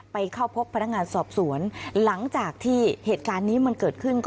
ไปเข้าพบพนักงานสอบสวนหลังจากที่เหตุการณ์นี้มันเกิดขึ้นก็